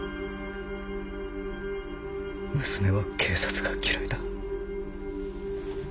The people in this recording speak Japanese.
娘は警察が嫌いだ。